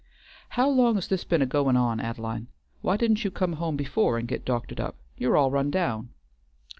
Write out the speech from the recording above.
"How long has this be'n a goin' on, Ad'line? Why didn't you come home before and get doctored up? You're all run down."